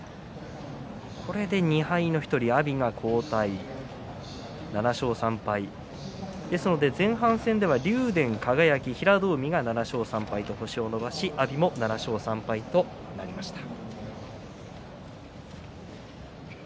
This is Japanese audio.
これで２敗の１人阿炎が後退、７勝３敗前半戦では竜電、輝、平戸海が７勝３敗と星を伸ばし阿炎も７勝３敗となりました。